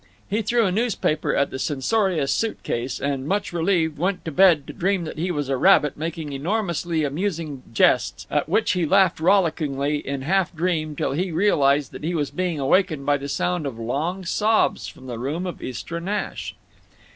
He threw a newspaper at the censorious suit case and, much relieved, went to bed to dream that he was a rabbit making enormously amusing jests, at which he laughed rollickingly in half dream, till he realized that he was being awakened by the sound of long sobs from the room of Istra Nash.